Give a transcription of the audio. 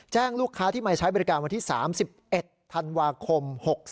ลูกค้าที่มาใช้บริการวันที่๓๑ธันวาคม๖๓